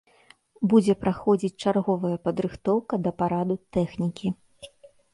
Будзе праходзіць чарговая падрыхтоўка да параду тэхнікі.